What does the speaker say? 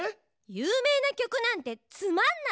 有名な曲なんてつまんない！